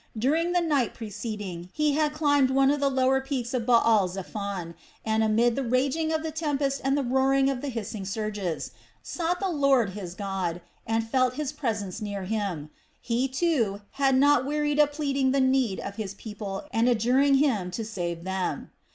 During the night preceding, he had climbed one of the lower peaks of Baal zephon and, amid the raging of the tempest and the roar of the hissing surges, sought the Lord his God, and felt his presence near him. He, too, had not wearied of pleading the need of his people and adjuring him to save them.